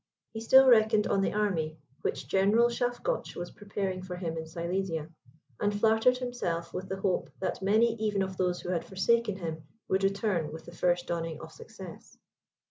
He still reckoned on the army, which General Schafgotsch was preparing for him in Silesia, and flattered himself with the hope that many even of those who had forsaken him, would return with the first dawning of success.